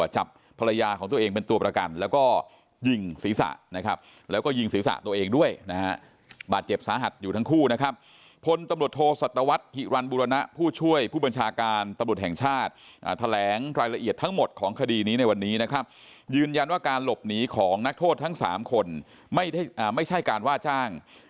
ก็จับภรรยาของตัวเองเป็นตัวประกันแล้วก็ยิงศีรษะ